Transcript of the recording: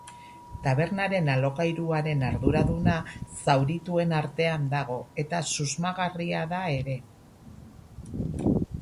Tabernaren alokairuaren arduraduna zaurituen artean dago eta susmagarria da ere.